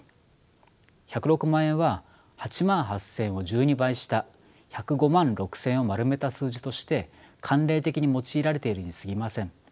１０６万円は８万８，０００円を１２倍した１０５万６，０００円を丸めた数字として慣例的に用いられているにすぎません。